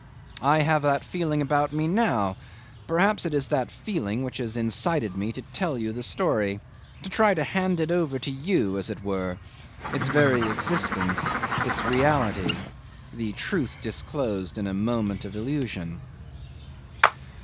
I have that feeling about me now; perhaps it is that feeling which has incited me to tell you the story, to try to hand over to you, as it were, its very existence, its reality the truth disclosed in a moment of illusion.